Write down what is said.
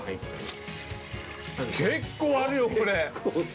結構あるよこれ。